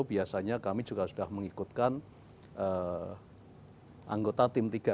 biasanya kami juga sudah mengikutkan anggota tim tiga